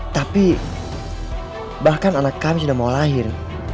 tapi bahkan anak kami sudah mau lahir